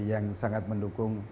yang sangat mendukung